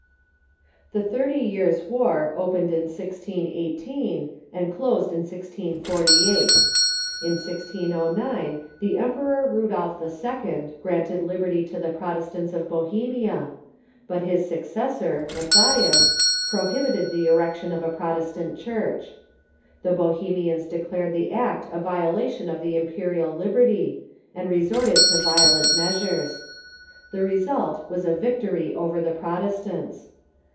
The Thirty Years' War opened in 1618, and closed in 1648. In 1609 the Emperor Rudolf II. granted liberty to the Prot estants of Bohemia, but his successor, Matthias, pro ^oiwlr^ hibited the erection of a Protestant church. The Bohemians declared the act a violation of the impe rial liberty, and resorted to violent measures. The result was a victory over the Protestants.